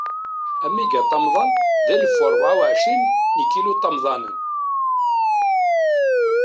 Amigaṭamḍan, d alef u rebɛa u ɛecrin n ikiluṭamḍanen.